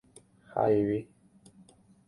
hayvi